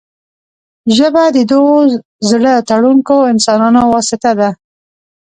ژبه د دوو زړه تړونکو انسانانو واسطه ده